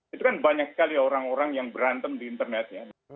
itu kan banyak sekali orang orang yang berantem di internet ya